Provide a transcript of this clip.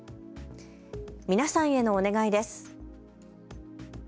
皆さんへのお願いです。